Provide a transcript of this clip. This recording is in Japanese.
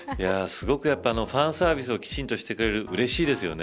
すごくファンサービスをきちんとしてくれる。